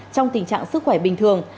trong tình trạng sức khỏe bình thường